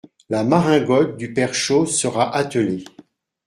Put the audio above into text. La maringotte du père Chose sera attelée.